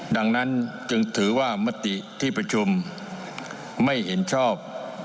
ดังนั้นจึงถือว่ามติที่ประชุมไม่เห็นชอบ